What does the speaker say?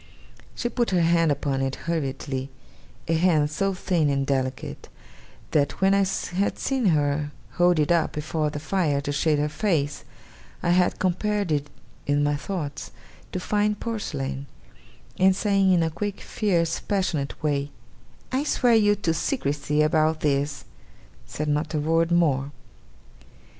She put her hand upon it hurriedly a hand so thin and delicate, that when I had seen her hold it up before the fire to shade her face, I had compared it in my thoughts to fine porcelain and saying, in a quick, fierce, passionate way, 'I swear you to secrecy about this!' said not a word more.